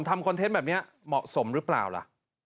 คอนเทนต์แบบนี้เหมาะสมหรือเปล่าล่ะ